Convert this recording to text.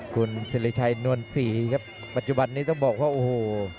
คุณสิริชัยนวลศรีครับปัจจุบันนี้ต้องบอกว่าโอ้โห